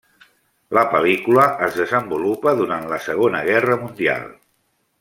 La pel·lícula es desenvolupa durant la Segona Guerra mundial.